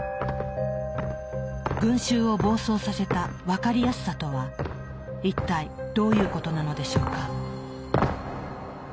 群衆を暴走させた「わかりやすさ」とは一体どういうことなのでしょうか。